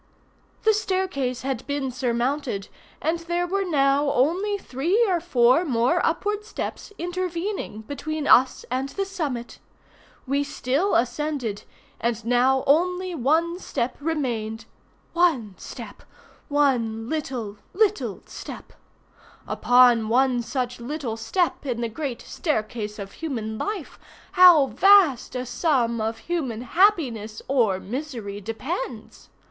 The staircase had been surmounted, and there were now only three or four more upward steps intervening between us and the summit. We still ascended, and now only one step remained. One step! One little, little step! Upon one such little step in the great staircase of human life how vast a sum of human happiness or misery depends!